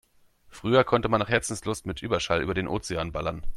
Früher konnte man nach Herzenslust mit Überschall über den Ozean ballern.